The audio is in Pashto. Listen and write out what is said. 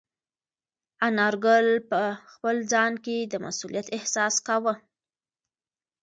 انارګل په خپل ځان کې د مسؤلیت احساس کاوه.